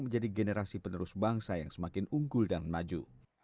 menjadi generasi penerus bangsa yang semakin unggul dan maju